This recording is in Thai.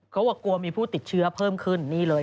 เขาบอกกลัวมีผู้ติดเชื้อเพิ่มขึ้นนี่เลย